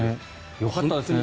よかったですね。